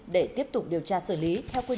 để tiếp tục điều tra xử lý